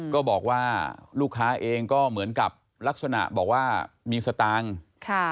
ก็บอกว่าลูกค้าเองก็เหมือนกับลักษณะบอกว่ามีสตางค์ค่ะ